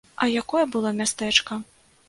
А якое было мястэчка!